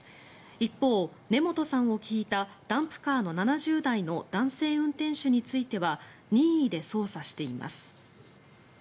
一方、根本さんをひいたダンプカーの７０代の男性運転手については任意で捜査しています。